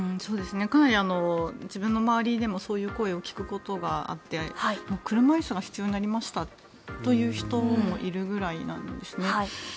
かなり自分の周りでもそういう声を聞くことがあって車椅子が必要になりましたという人もいるぐらいなんですね。